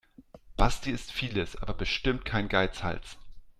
Basti ist vieles, aber bestimmt kein Geizhals.